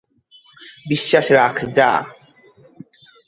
বিশ্বাস রাখ, যা।